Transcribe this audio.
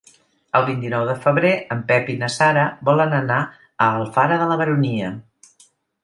El vint-i-nou de febrer en Pep i na Sara volen anar a Alfara de la Baronia.